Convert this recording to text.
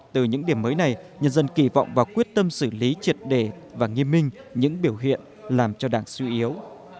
từ những điểm mới này nhân dân kỳ vọng và quyết tâm xử lý triệt đề và nghiêm minh những biểu hiện làm cho đảng suy yếu